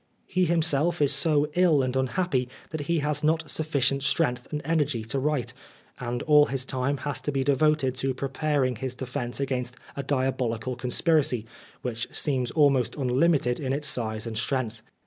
He himself is so ill and unhappy that he has not sufficient strength and energy to write, and all his time has to be devoted to preparing his defence against a diabolical conspiracy, which seems almost unlimited in its size and strength.